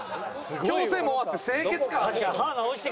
矯正も終わって清潔感ある。